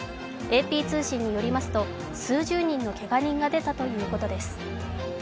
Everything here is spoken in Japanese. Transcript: ＡＰ通信によりますと、数十人のけが人が出たということです。